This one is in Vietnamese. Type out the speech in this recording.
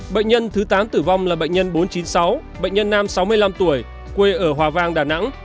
bệnh nhân thứ tám tử vong là bệnh nhân bốn trăm chín mươi sáu bệnh nhân nam sáu mươi năm tuổi quê ở hòa vang đà nẵng